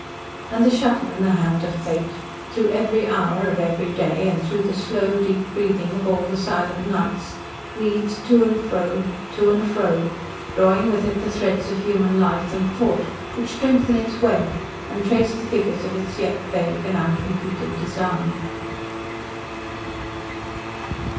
And the Shuttle in the hand of Fate, through every hour of every day, and through the slow, deep breathing of all the silent nights, weaves to and fro to and fro drawing with it the threads of human life and thought which strengthen its web: and trace the figures of its yet vague and uncompleted design.